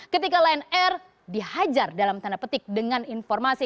ketika lion air dihajar dalam tanda petik dengan informasi